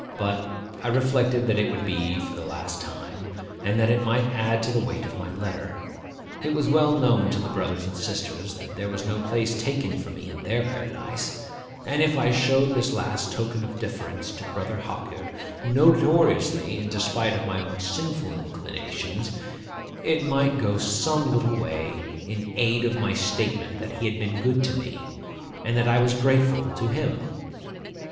But I reflected that it would be for the last time, and that it might add to the weight of my letter. It was well known to the brothers and sisters that there was no place taken for me in their paradise; and if I showed this last token of deference to Brother Hawkyard, notoriously in despite of my own sinful inclinations, it might go some little way in aid of my statement that he had been good to me, and that I was grateful to him.